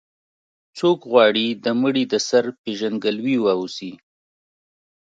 څوک غواړي د مړي د سر پېژندګلوي واوسي.